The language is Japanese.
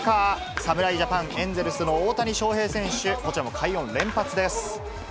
侍ジャパン、エンゼルスの大谷翔平選手も、こちらも快音連発です。